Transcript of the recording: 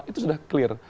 itu sudah clear